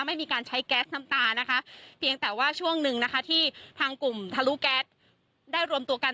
ไม่มีการใช้แก๊สน้ำตานะคะเพียงแต่ว่าช่วงหนึ่งนะคะที่ทางกลุ่มทะลุแก๊สได้รวมตัวกัน